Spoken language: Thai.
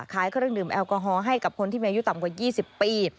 เครื่องดื่มแอลกอฮอลให้กับคนที่มีอายุต่ำกว่า๒๐ปี